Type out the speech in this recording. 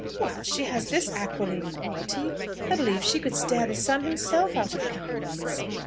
Well, she has this aquiline quality; I believe she could stare the sun himself out of countenance!"